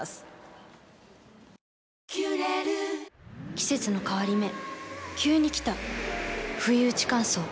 季節の変わり目急に来たふいうち乾燥。